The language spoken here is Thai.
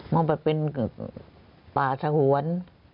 มองไปเป็นป่าสหวน